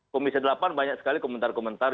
komisi delapan banyak sekali komentar komentar